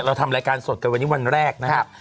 เราทำรายการสดกันวันนี้วันแรกนะครับ